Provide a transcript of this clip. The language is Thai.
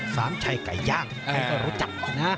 สามชัยไก่ย่างแค่รู้จัก